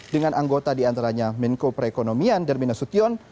dengan anggota di antaranya menko perekonomian dermina sution